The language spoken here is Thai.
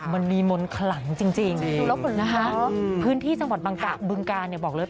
มันมีมนต์ขลังจริงนะฮะพิธีสมรรถบึงกาบอกเลยว่า